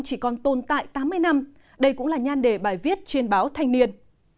chỉ còn tồn tại tám mươi năm đây cũng là nhan đề bài viết trên báo thanh niên